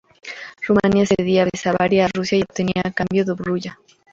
Rumania cedía Besarabia a Rusia y obtenía a cambio Dobruya.